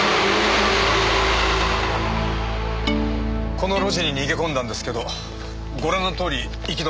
この路地に逃げ込んだんですけどご覧のとおり行き止まりで。